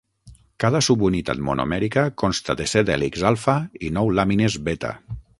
Cada subunitat monomèrica consta de set hèlixs alfa i nou làmines beta.